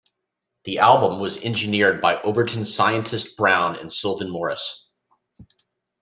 The album was engineered by Overton "Scientist" Brown and Sylvan Morris.